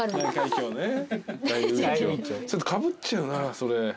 ちょっとかぶっちゃうなそれ。